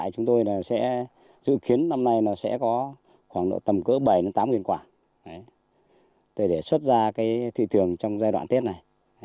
có khoảng độ tầm cỡ bảy tám nghìn quả để xuất ra thị trường trong giai đoạn tết này